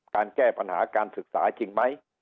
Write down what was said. แก้ปัญหาการศึกษาจริงไหม